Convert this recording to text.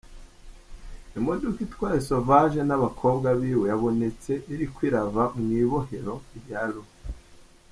Imodoka itwaye Sauvage n'abakobwa biwe yabonetse iriko irava mw'ibohero rya Reau.